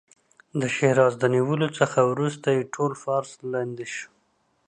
د شیراز د نیولو څخه وروسته یې ټول فارس لاندې شو.